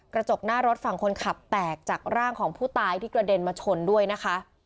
กระจกหน้ารถฝั่งคนขับแตกจากร่างของผู้ตายที่กระเด็นมาชนด้วยนะคะ